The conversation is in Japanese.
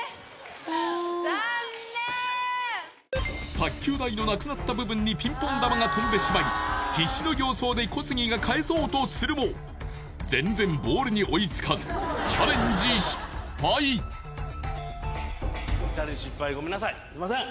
卓球台のなくなった部分にピンポン球が飛んでしまい必死の形相で小杉が返そうとするも全然ボールに追いつかずすいません